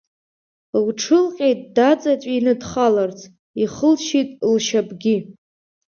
Лҽылҟьеит даҵаҵәины дхаларц, ихылшьит лшьапгьы.